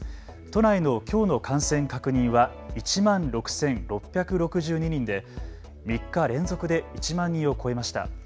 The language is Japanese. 都内のきょうの感染確認は１万６６６２人で３日連続で１万人を超えました。